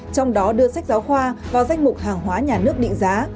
trong đó đưa sách giáo khoa vào danh mục hàng hóa nhà nước định giá